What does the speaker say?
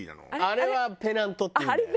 あれはペナントっていうんだよ。